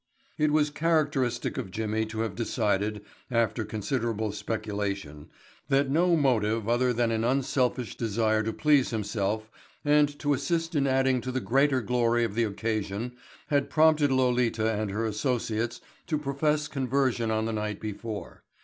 It was characteristic of Jimmy to have decided, after considerable speculation, that no motive other than an unselfish desire to please himself and to assist in adding to the greater glory of the occasion had prompted Lolita and her associates to profess conversion on the night before.